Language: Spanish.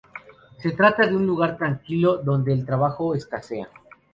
Se trata de un lugar tranquilo donde el trabajo escasea.